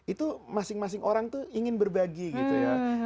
itu masing masing orang tuh ingin berbagi gitu ya